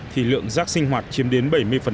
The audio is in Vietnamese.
thì lượng rác sinh hoạt chiếm đến bảy mươi